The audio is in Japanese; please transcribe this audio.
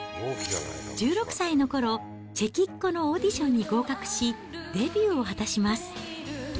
１６歳のころ、チェキッ娘のオーディションに合格し、デビューを果たします。